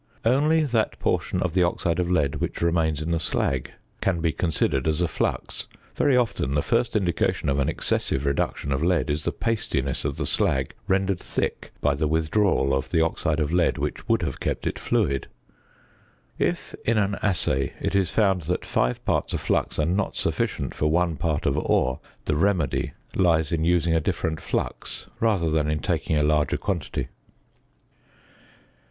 Only that portion of the oxide of lead which remains in the slag can be considered as a flux; very often the first indication of an excessive reduction of lead is the pastiness of the slag rendered thick by the withdrawal of the oxide of lead which would have kept it fluid. If, in an assay, it is found that 5 parts of flux are not sufficient for 1 part of ore, the remedy lies in using a different flux rather than in taking a larger quantity.